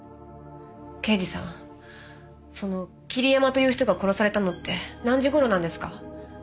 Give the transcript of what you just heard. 刑事さんその桐山という人が殺されたのって何時頃なんですか？